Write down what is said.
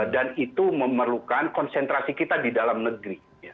dan itu memerlukan konsentrasi kita di dalam negeri